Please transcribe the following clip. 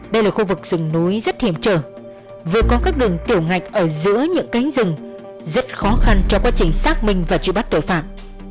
đây là khu vực rừng núi rất hiểm trở vừa có các đường tiểu ngạch ở giữa những cánh rừng rất khó khăn cho quá trình xác minh và trụ bắt tội phạm